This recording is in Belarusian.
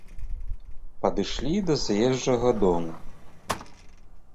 Падышлі да заезджага дому.